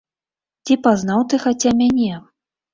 Ці пазнаў ты хаця мяне?